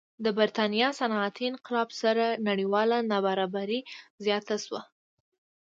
د برېټانیا صنعتي انقلاب سره نړیواله نابرابري زیاته شوه.